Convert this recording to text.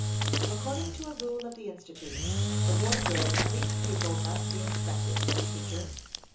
"According to a rule of the Institute, the wardrobe of each pupil must be inspected," said the teacher.